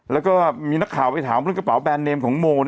แล้วก็มีนักข่าวไปถามเรื่องกระเป๋าแบรนเนมของโม